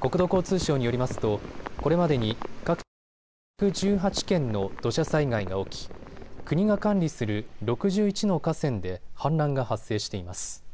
国土交通省によりますとこれまでに各地で１１８件の土砂災害が起き国が管理する６１の河川で氾濫が発生しています。